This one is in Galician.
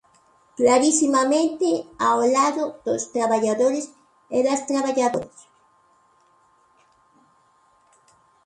¡Clarisimamente ao lado dos traballadores e das traballadoras!